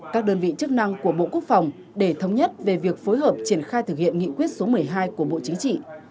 các đơn vị chức năng của bộ quốc phòng để thống nhất về việc phối hợp triển khai thực hiện nghị quyết số một mươi hai của bộ chính trị